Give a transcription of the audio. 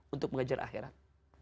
untuk mengajar akhirat